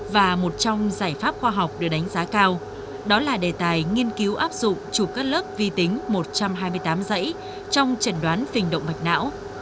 và một trong giải pháp khoa học được đánh giá cao đó là đề tài nghiên cứu áp dụng chụp các lớp vi tính một trăm hai mươi tám dãy trong trần đoán phình động mạch não